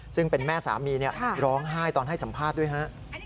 ซึ่งเป็นแม่สามีร้องไห้ตอนให้สัมภาษณ์ด้วยฮะ